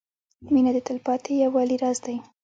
• مینه د تلپاتې یووالي راز دی.